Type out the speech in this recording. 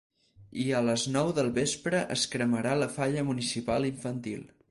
I a les nou del vespre es cremarà la falla municipal infantil.